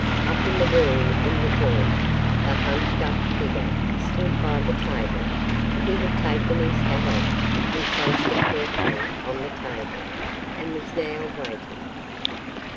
Up in the room in the joint, the hunched up figure stood by the table. He had taken his hat off and placed it carefully on the table, and was now waiting.